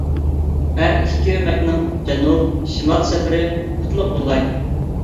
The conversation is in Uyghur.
ھەر ئىككى ئۆمەكنىڭ جەنۇب-شىمال سەپىرى قۇتلۇق بولغاي!